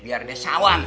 biar dia sawan